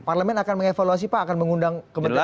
parlemen akan mengevaluasi pak akan mengundang kementerian